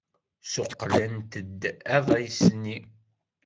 Ssuqqlent-d aḍris-nni.